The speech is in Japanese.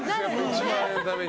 １万円のために。